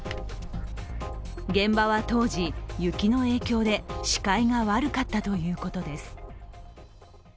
現場は当時、雪の影響で視界が悪かったということです。